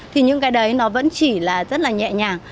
thì những cái đấy nó vẫn chỉ là rất là nhẹ nhàng